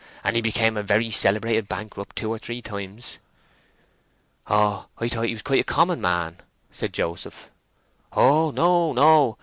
And he became a very celebrated bankrupt two or three times." "Oh, I thought he was quite a common man!" said Joseph. "Oh no, no!